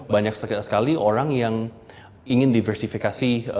banyak sekali orang yang ingin diversifikasi